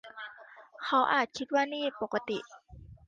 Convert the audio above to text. เขาอาจคิดว่านี่ปกติ